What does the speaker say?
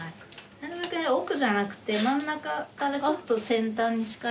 なるべく奥じゃなくて真ん中からちょっと先端に近いとこで。